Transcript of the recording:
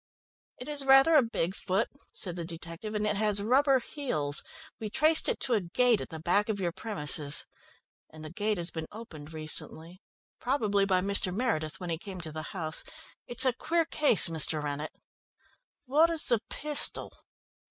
"It is rather a big foot," said the detective, "and it has rubber heels. We traced it to a gate at the back of your premises, and the gate has been opened recently probably by Mr. Meredith when he came to the house. It's a queer case, Mr. Rennett." "What is the pistol?"